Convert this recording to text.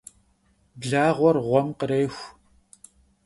Blağuer ğuem khrêxu.